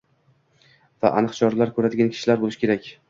va aniq choralar ko‘radigan kishilar bo‘lishi kerak.